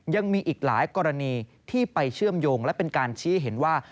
ยังมีอีกหลายกรณีที่ไปเชื่อมโยงและเป็นการชี้เห็นว่า